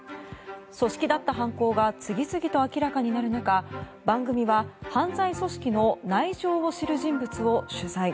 組織立った犯行が次々に明らかになる中番組は、犯罪組織の内情を知る人物を取材。